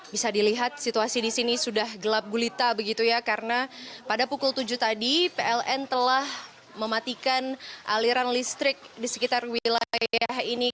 bisa dilihat situasi di sini sudah gelap gulita begitu ya karena pada pukul tujuh tadi pln telah mematikan aliran listrik di sekitar wilayah ini